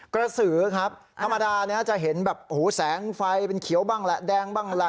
กระสือครับธรรมดาจะเห็นแบบแสงไฟเป็นเขียวบ้างแหละแดงบ้างล่ะ